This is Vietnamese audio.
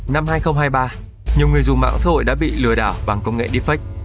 năm hai nghìn hai mươi ba nhiều người dùng mạng xã hội đã bị lừa đảo bằng công nghệ deepfake